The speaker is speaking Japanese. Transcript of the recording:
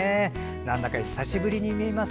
なんだか久しぶりに見えます